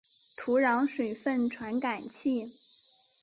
土壤水分传感器。